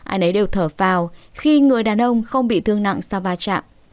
ai nấy đều thở phào khi người đàn ông không bị thương nặng sau va chạm